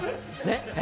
ねっ？